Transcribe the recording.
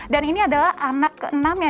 dan ini adalah anak keenamnya